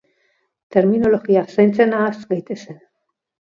Terminologia zaintzen has gaitezen.